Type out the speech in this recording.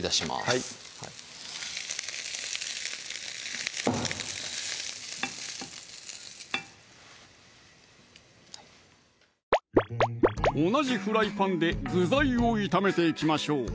はい同じフライパンで具材を炒めていきましょう